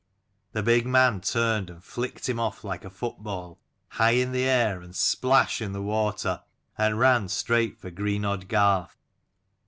The big man turned and flicked him like a football, high in the air and splash in the water: and ran straight for Greenodd garth.